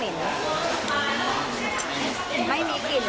แล้วก็ก๋วยน้ำซุปเราไม่เหม็นไม่มีกลิ่นค่ะ